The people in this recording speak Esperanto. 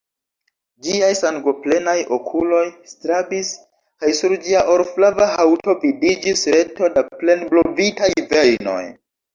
Ĝiaj sangoplenaj okuloj strabis, kaj sur ĝia orflava haŭto vidiĝis reto da plenblovitaj vejnoj.